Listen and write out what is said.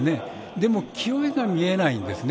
でも、気負いが見えないんですね。